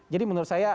jadi menurut saya